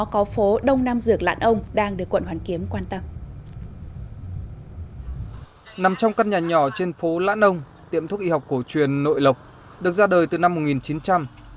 cổ truyền nội lộc được ra đời từ năm một nghìn chín trăm linh